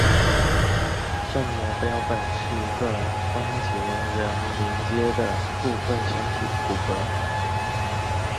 正模标本是一个关节仍连阶的部分身体骨骼。